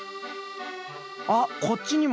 あっこっちにも！